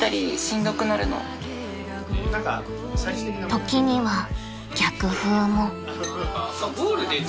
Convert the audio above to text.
［時には逆風も］